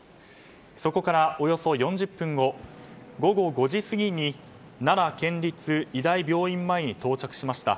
そこからおよそ４０分後午後５時過ぎに奈良県立医大病院前に到着しました。